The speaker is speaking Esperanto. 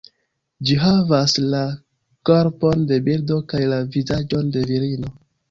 Ĝi havas la korpon de birdo kaj la vizaĝon de virino.